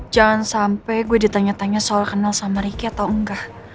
jangan sampai gue ditanya tanya soal kenal sama ricky atau enggak